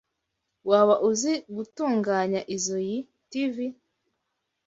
Waba uzi gutunganya izoi TV?